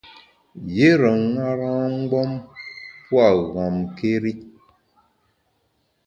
Yire ṅara-mgbom pua’ ghamkéri.